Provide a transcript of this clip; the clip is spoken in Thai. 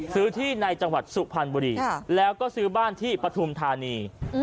ซื้อที่ในจังหวัดสุพรรณบุรีแล้วก็ซื้อบ้านที่ปฐุมธานี